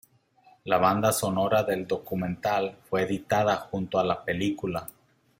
La banda sonora del documental fue editada junto a la película.